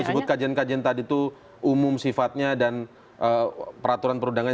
disebut kajian kajian tadi itu umum sifatnya dan peraturan perundangan